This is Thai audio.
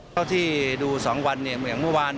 เท่าที่ดู๒วันเนี่ยอย่างเมื่อวาน